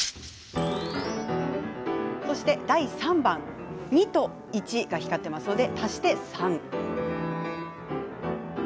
そして第３番２と１が光っているので足して３。